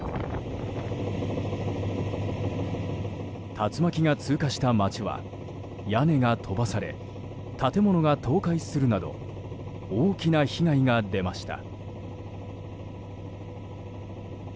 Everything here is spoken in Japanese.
竜巻が通過した街は屋根が飛ばされ建物が倒壊するなど大きな被害が出ました。